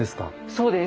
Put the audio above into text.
そうです。